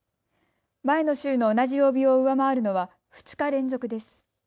前の週の同じ曜日を上回るのは２日連続です。